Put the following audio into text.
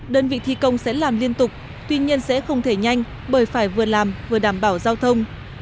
đơn vị thi công sẽ làm liên tục tuy nhiên sẽ không thể nhanh bởi phải vừa làm vừa đảm bảo giao thông